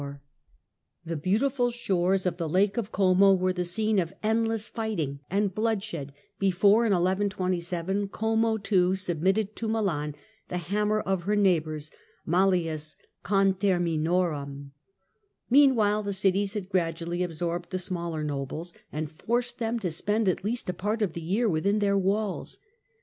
132 THE CENTRAL PERIOD OF THE MIDDLE AGE The beautiful shores of tlie Lake of Como were the scene of endless fighting and bloodshed before, in 1127, Como too submitted to Milan, the "hammer of her neighbours" {Malleus Conterminorum). Meanwhile the cities had gradually absorbed the smaller nobles, and forced them to spend at least a part of the year within their walls.